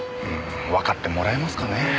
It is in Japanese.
うんわかってもらえますかね？